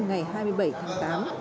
ngày hai mươi bảy tháng tám